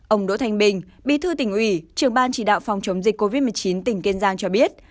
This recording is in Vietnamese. ông đỗ thanh bình bí thư tỉnh ủy trưởng ban chỉ đạo phòng chống dịch covid một mươi chín tỉnh kiên giang cho biết